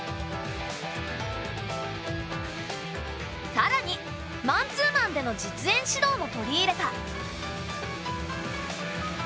さらにマンツーマンでの実演指導も取り入れた。